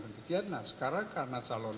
kegiatan sekarang karena calon